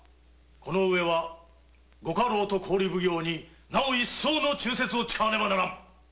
この上はご家老と郡奉行になお一層の忠節を誓わねばならん。